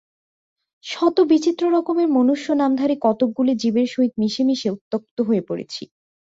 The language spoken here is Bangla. শত বিচিত্র রকমের মনুষ্যনামধারী কতকগুলি জীবের সহিত মিশে মিশে উত্ত্যক্ত হয়ে পড়েছি।